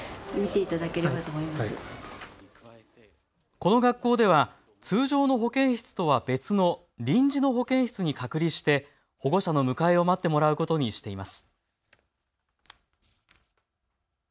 この学校では通常の保健室とは別の臨時の保健室に隔離して保護者の迎えを待ってもらうことにしています。